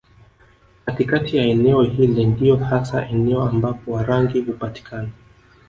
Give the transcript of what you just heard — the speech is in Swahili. Katikati ya eneo hili ndiyo hasa eneo ambapo Warangi hupatikana